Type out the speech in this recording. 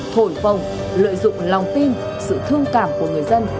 thổi phồng lợi dụng lòng tin sự thương cảm của người dân